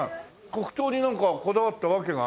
黒糖になんかこだわった訳があるの？